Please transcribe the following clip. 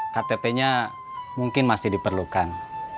ktp nya mungkin masih diperlukan